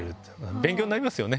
勉強になりますよね。